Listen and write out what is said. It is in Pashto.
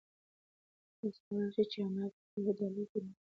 تاسو کولای شئ چې انار په خپلو ډالیو کې نورو ته ورکړئ.